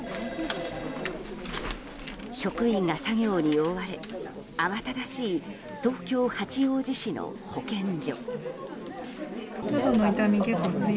職員が作業に追われ慌ただしい東京・八王子市の保健所。